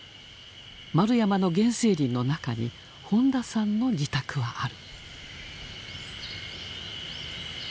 円山の原生林の中に本田さんの自宅はある。